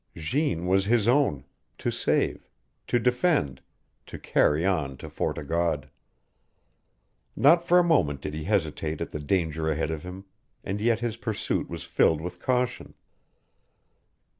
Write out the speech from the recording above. Jeanne was his own, to save, to defend, to carry on to Fort o' God. Not for a moment did he hesitate at the danger ahead of him, and yet his pursuit was filled with caution.